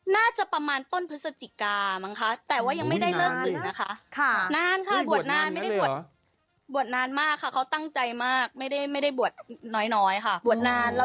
น่าจะประมาณต้นพฤศจิกามั้งค่ะแต่ว่ายังไม่ได้เลิกศึกนะคะ